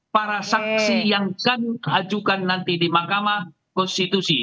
para saksi yang kami ajukan nanti di mahkamah konstitusi